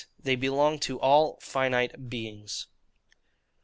They belong to all finite beings.